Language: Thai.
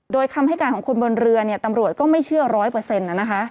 โดยคำให้การของคนบนเรือเนี่ยตำรวจก็ไม่เชื่อร้อยเปอร์เซ็นต์นะคะ